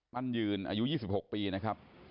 มั่นยืนอายุ๒๖ปีนะครับ